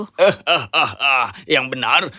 hahaha yang benar